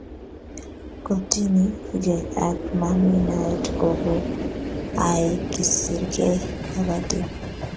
kotiny gee ak mami naet kokoai kosirgei kabatik